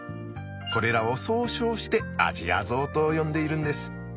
これらを総称してアジアゾウと呼んでいるんです。